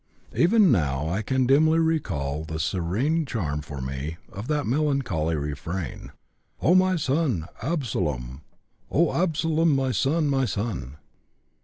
Even now I can dimly recall the siren charm for me of that melancholy refrain, 'O my son Absalom.... O Absalom, my son, my son!'